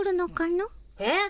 えっ？